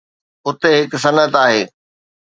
اتي هڪ صنعت آهي.